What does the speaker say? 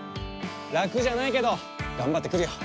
ラクじゃないけどがんばってくるよ。